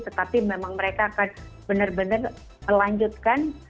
tetapi memang mereka akan benar benar melanjutkan